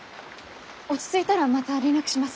落ち着いたらまた連絡します。